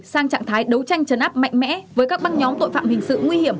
sang trạng thái đấu tranh chấn áp mạnh mẽ với các băng nhóm tội phạm hình sự nguy hiểm